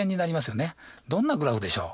どんなグラフでしょう。